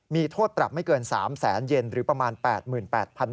มีโทษปรับไม่เกิน๓แสนเย็นหรือประมาณ๘๘๐๐บาท